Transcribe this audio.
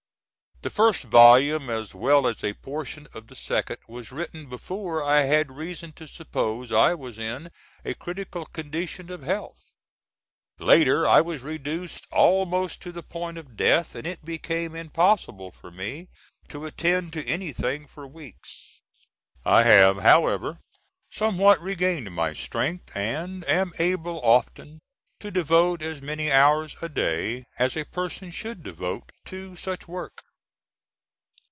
The first volume, as well as a portion of the second, was written before I had reason to suppose I was in a critical condition of health. Later I was reduced almost to the point of death, and it became impossible for me to attend to anything for weeks. I have, however, somewhat regained my strength, and am able, often, to devote as many hours a day as a person should devote to such work.